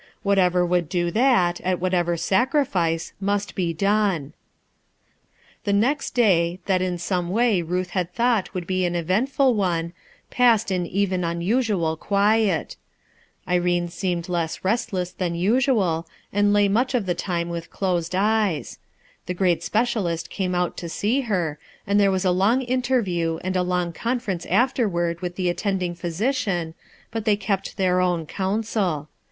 Whatever would do that, at whatever sacrifice, must be done. Hie next day, that in some way Ruth had thought would be an eventful one, passed in even unusual quiet. Irene seemed lew rati 360 RUTH ERSKINE'S SOX than usual, and lay much of the time with dosM eyes. The great specialist came out to see he and there was a long interview, and a long con! ference afterward with the attending physici^ but they kept their own counsel.